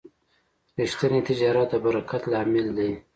ریښتینی تجارت د برکت لامل دی.